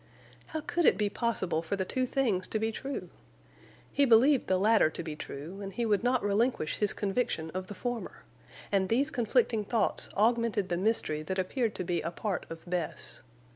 How could it be possible for the two things to be true? He believed the latter to be true, and he would not relinquish his conviction of the former; and these conflicting thoughts augmented the mystery that appeared to be a part of Bess.